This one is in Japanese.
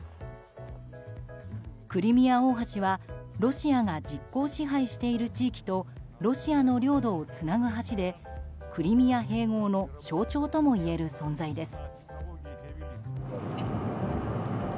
クリミア大橋はロシアが実効支配している地域とロシアの領土をつなぐ橋でクリミア併合の象徴ともいえる存在です。